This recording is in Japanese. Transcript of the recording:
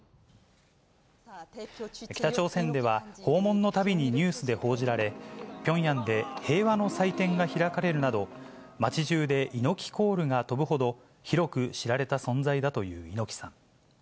北朝鮮では、訪問のたびにニュースで報じられ、ピョンヤンで平和の祭典が開かれるなど、街じゅうで猪木コールが飛ぶほど、広く知られた存在だという猪木さん。